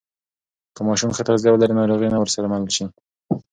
که ماشوم ښه تغذیه ولري، ناروغي نه ورسره مل شي.